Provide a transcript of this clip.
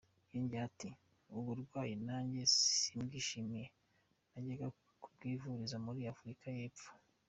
Yongeyeho ati “Ubu burwayi nanjye simbwishimiye, najyaga kubwivuriza muri Afurika y’ Epfo”.